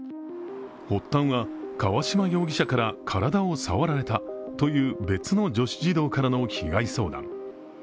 発端は、河嶌容疑者から体を触られたという別の女子児童からの被害相談。